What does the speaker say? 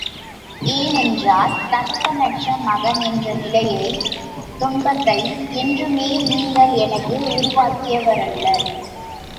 ஏனென்றால் தகப்பனற்ற மகன் என்ற நிலையை, துன்பத்தை, என்றுமே நீங்கள் எனக்கு உருவாக்கியவரல்லர்!